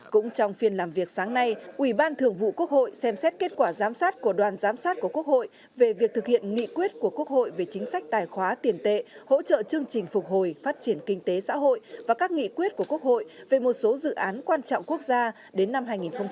cũng trong phiên làm việc sáng nay ủy ban thường vụ quốc hội xem xét kết quả giám sát của đoàn giám sát của quốc hội về việc thực hiện nghị quyết của quốc hội về chính sách tài khoá tiền tệ hỗ trợ chương trình phục hồi phát triển kinh tế xã hội và các nghị quyết của quốc hội về một số dự án quan trọng quốc gia đến năm hai nghìn hai mươi